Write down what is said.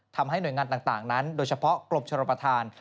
ทำให้หน่วยงานต่างนั้นโดยเฉพาะกรมชนประธาน